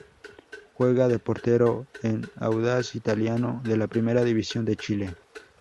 Juega de Portero en Audax Italiano de la Primera División de Chile.